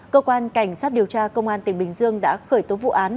cơ quan cảnh sát điều tra công an tỉnh bình dương đã khởi tố vụ án